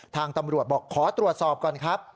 ทางตำรวจบอกขอตรวจสอบก่อนครับ